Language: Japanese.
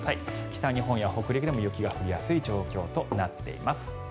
北日本や北陸でも雪が降りやすい状況となっています。